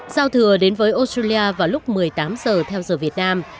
giao thừa đến với australia vào lúc một mươi tám giờ theo giờ việt nam